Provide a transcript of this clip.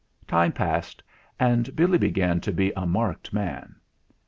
Time passed, and Billy began to be a marked man.